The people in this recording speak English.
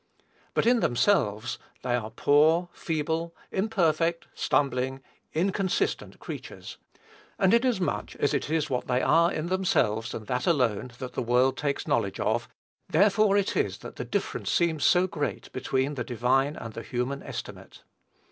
But, in themselves, they are poor, feeble, imperfect, stumbling, inconsistent creatures; and, inasmuch as it is what they are in themselves, and that alone, that the world takes knowledge of, therefore it is that the difference seems so great between the divine and the human estimate.